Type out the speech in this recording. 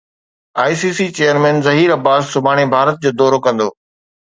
I C C chairman Zaheer Abbas سڀاڻي ڀارت جو دورو ڪندو